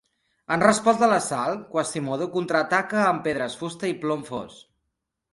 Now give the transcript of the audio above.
En resposta a l'assalt, Quasimodo contraataca amb pedres, fusta i plom fos.